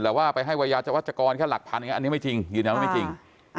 แล้วว่าไปให้วัยยาวัดจากรแค่หลักพันอันนี้ไม่จริงยืนยันว่าไม่จริง